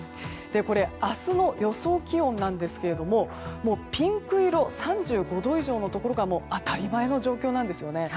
これ、明日の予想気温ですがピンク色３５度以上のところが当たり前の状況なんですよね。